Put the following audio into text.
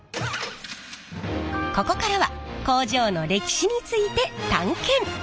ここからは工場の歴史について探検！